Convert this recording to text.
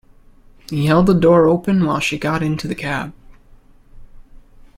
He held the door open while she got into the cab.